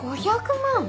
５００万？